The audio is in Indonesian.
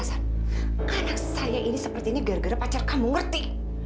anak saya ini seperti ini gara gara pacar kamu ngerti